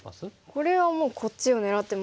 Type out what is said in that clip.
これはもうこっちを狙ってますよね。